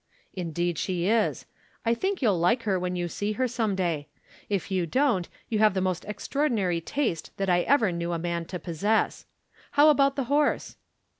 "Indeed she is. I think you'll like her when you see her some day. If you don't, you have the most extraordinary taste I ever knew a man to possess. How about the horse?"